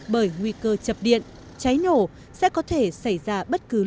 bởi nguy cơ chập điện cháy nổ sẽ có thể xảy ra bất cứ nỗi